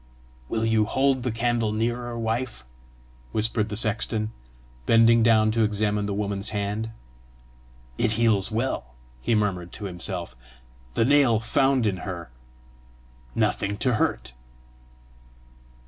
"Will you hold the candle nearer, wife?" whispered the sexton, bending down to examine the woman's hand. "It heals well," he murmured to himself: "the nail found in her nothing to hurt!"